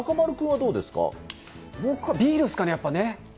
僕はビールですかね、やっぱりね。